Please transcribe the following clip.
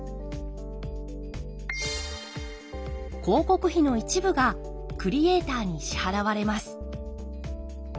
広告費の一部がクリエーターに支払われます。